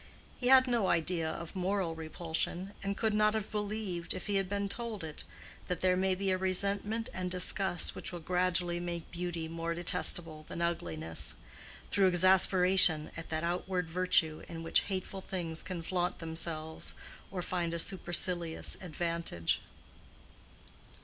He had no idea of moral repulsion, and could not have believed, if he had been told it, that there may be a resentment and disgust which will gradually make beauty more detestable than ugliness, through exasperation at that outward virtue in which hateful things can flaunt themselves or find a supercilious advantage.